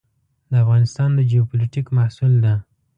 د افغانستان د جیوپولیټیک محصول ده.